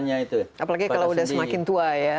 apalagi kalau sudah semakin tua ya